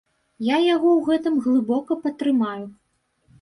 Я яго ў гэтым глыбока падтрымаю.